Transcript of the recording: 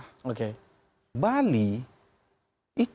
bali itu barang langka indah banget